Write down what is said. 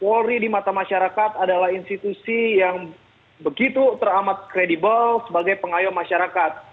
polri dimata masyarakat adalah institusi yang begitu teramat kredibel sebagai pengayuh masyarakat